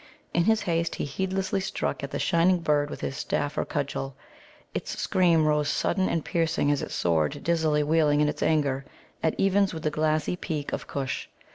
In his haste he heedlessly struck at the shining bird with his staff or cudgel. Its scream rose sudden and piercing as it soared, dizzily wheeling in its anger, at evens with the glassy peak of Kush.